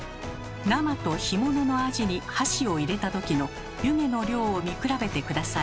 生と干物のアジに箸を入れた時の湯気の量を見比べて下さい。